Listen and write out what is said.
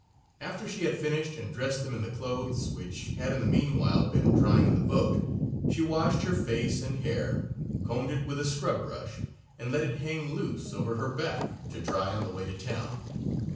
After she had finished and dressed them in the clothes which had in the meanwhile been drying in the boat, she washed her face and hair, combed it with a scrub brush, and let it hang loose over her back to dry on the way to town.